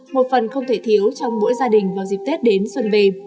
một phần không thể thiếu trong mỗi gia đình vào dịp tết đến xuân về